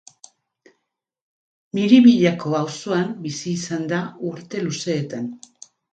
Miribillako auzoan bizi izan da urte luzeetan.